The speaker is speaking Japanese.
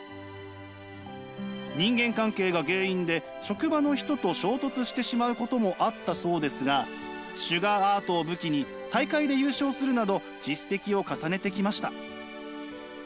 人間関係が原因で職場の人と衝突してしまうこともあったそうですがシュガーアートを武器に大会で優勝するなど実績を重ねてきました。